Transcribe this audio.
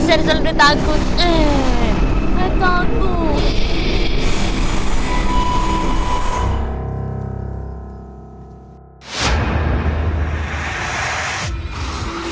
ambil sergelnya takut